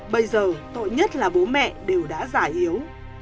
bây giờ tội nhất là bố mẹ đều đã già yếu